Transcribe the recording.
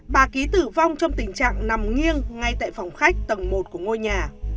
bà ký tử vong trong tình trạng nằm nghiêng ngay tại phòng khách tầng một của ngôi nhà